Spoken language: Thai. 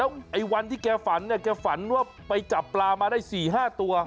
ไอ้วันที่แกฝันเนี่ยแกฝันว่าไปจับปลามาได้๔๕ตัว